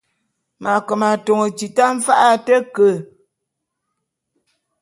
M’ake m’atôn tita mfa’a a te ke.